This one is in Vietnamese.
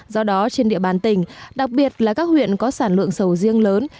do đó trên địa bàn tỉnh đặc biệt là các huyện có sản lượng sầu riêng lớn